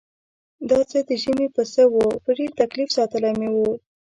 دا څه د ژمي پسه و په ډېر تکلیف ساتلی مې و.